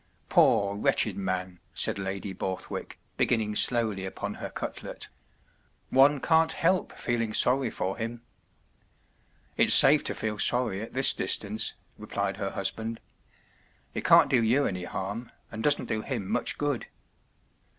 ” “ Poor, wretched man ! ” said Lady Borth¬ wick, beginning slowly upon her cutlet. “ One can’t help feeling sorry for him.” “ It’s safe to feel sorry at this distance,” replied her husband. “ It can’t do you any harm, and doesn’t do him much good.